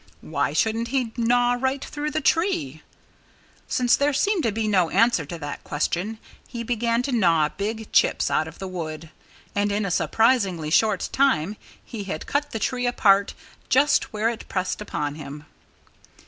Why shouldn't he gnaw right through the tree? Since there seemed to be no answer to that question, he began to gnaw big chips out of the wood. And in a surprisingly short time he had cut the tree apart just where it pressed upon him.